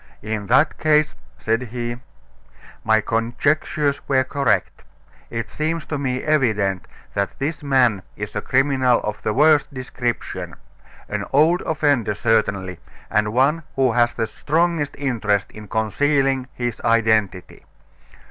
"In that case," said he, "my conjectures were correct. It seems to me evident that this man is a criminal of the worst description an old offender certainly, and one who has the strongest interest in concealing his identity.